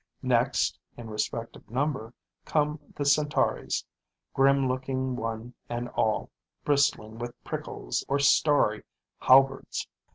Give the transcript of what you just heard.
Next, in respect of number, come the centauries, grim looking one and all, bristling with prickles or starry halberds.